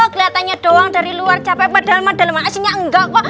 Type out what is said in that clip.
keliatannya doang dari luar capek padahal madalemang aslinya enggak kok